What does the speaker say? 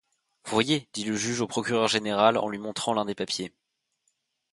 Voyez, dit le juge au procureur général en lui montrant l’un des papiers.